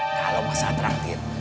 kalau masa traktir